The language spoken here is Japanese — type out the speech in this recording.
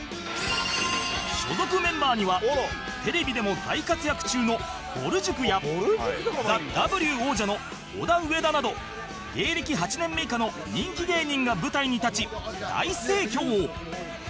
所属メンバーにはテレビでも大活躍中のぼる塾や ＴＨＥＷ 王者のオダウエダなど芸歴８年目以下の人気芸人が舞台に立ち大盛況